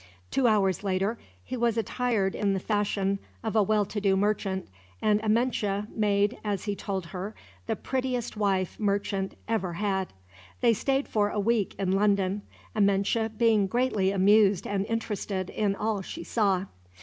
Two hours later, he was attired in the fashion of a well to do merchant; and Amenche made, as he told her, the prettiest wife merchant ever had. They stayed for a week in London, Amenche being greatly amused and interested in all she saw.